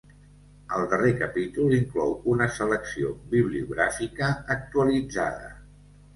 El darrer capítol inclou una selecció bibliogràfica actualitzada.